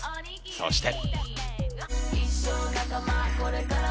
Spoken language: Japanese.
そして。